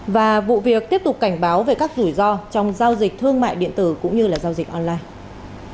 và vụ việc tiếp tục cảnh báo về các rủi ro trong giao dịch thương mại điện tử cũng như giao dịch online